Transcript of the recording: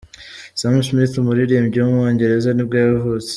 Sam Smith, umuririmbyi w’umwongereza nibwo yavutse.